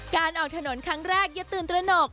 การออกถนนครั้งแรกอย่าตื่นตระหนก